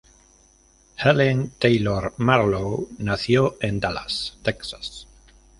Ellen Taylor Marlow nació en Dallas, Texas.